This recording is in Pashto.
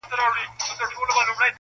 • که خدای وکړه هره خوا مي پرې سمېږي..